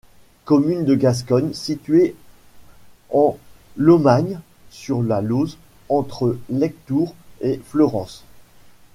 Commune de Gascogne située en Lomagne sur la Lauze entre Lectoure et Fleurance.